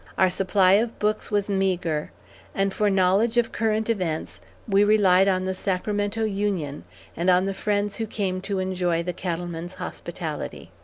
Our supply of books was meagre, and for knowledge of current events, we relied on The Sacramento Union, and on the friends who came to enjoy the cattleman's hospitality.